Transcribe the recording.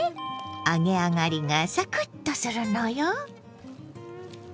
揚げ上がりがサクッとするのよ。